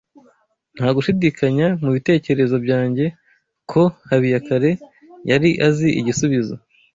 Nta gushidikanya mu bitekerezo byanjye ko Habiyakare yari azi igisubizo.